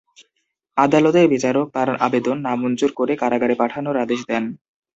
আদালতের বিচারক তাঁর আবেদন নামঞ্জুর করে কারাগারে পাঠানোর আদেশ দেন।